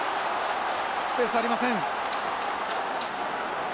スペースありません。